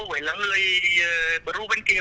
với là người ruben kieu